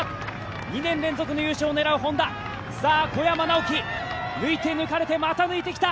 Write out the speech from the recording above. ２年連続優勝を狙うＨｏｎｄａ、小山直城抜いて抜かれて、また抜いてきた。